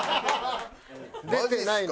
出てないのよ。